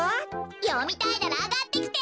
よみたいならあがってきて！